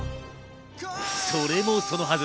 それもそのはず。